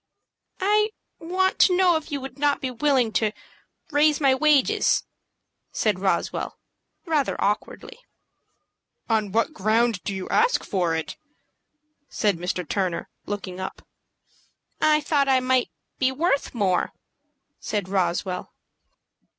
"I want to know if you will not be willing to raise my wages," said Roswell, rather awkwardly. "On what ground do you ask for it?" said Mr. Turner, looking up. "I thought I might be worth more," said Roswell.